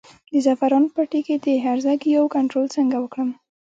د زعفرانو په پټي کې د هرزه ګیاوو کنټرول څنګه وکړم؟